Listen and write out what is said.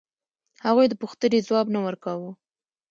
هغوی د پوښتنې ځواب نه ورکاوه.